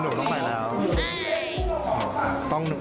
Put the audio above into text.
อ๋อต้องตั้งวินใช่ไหมครับพี่หนุ่ม